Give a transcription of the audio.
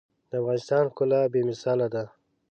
د افغانستان ښکلا بې مثاله ده.